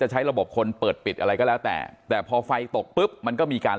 ใช้ระบบคนเปิดปิดอะไรก็แล้วแต่แต่พอไฟตกปุ๊บมันก็มีการ